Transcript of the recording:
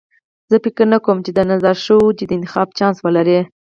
زه فکر نه کوم چې د نظار شورا دې د انتخاب چانس ولري.